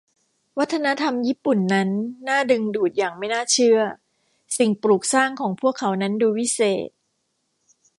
วัฒนธรรมญี่ปุ่นนั้นน่าดึงดูดอย่างไม่น่าเชื่อ สิ่งปลูกสร้างของพวกเขานั้นดูวิเศษ